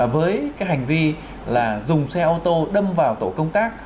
với cái hành vi là dùng xe ô tô đâm vào tổ công tác